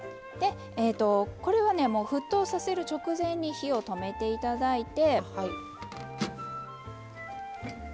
これはね、沸騰させる直前に火を止めていただいて。